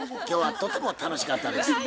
今日はとても楽しかったです。